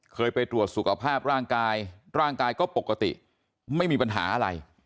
เคยไปตรวจสุขภาพร่างกายร่างกายก็ปกติไม่มีปัญหาอะไร